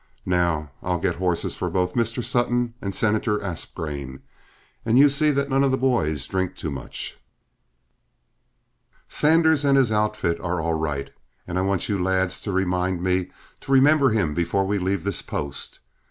Now, I'll get horses for both Mr. Sutton and Senator Aspgrain, and you see that none of the boys drink too much. Sanders and his outfit are all right, and I want you lads to remind me to remember him before we leave this post.